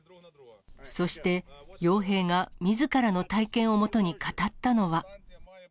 そして、よう兵がみずからの体験をもとに語ったのは。